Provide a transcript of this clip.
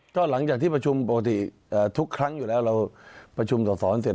ก็หลังจากที่ประชุมปกติทุกครั้งอยู่แล้วเราประชุมส่อนเสร็จ